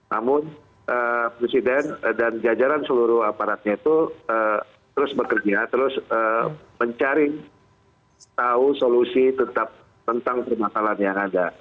namun presiden dan jajaran seluruh aparatnya itu terus bekerja terus mencari tahu solusi tetap tentang permasalahan yang ada